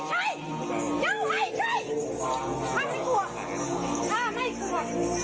เจ้าไม่ใช่เจ้าออกไป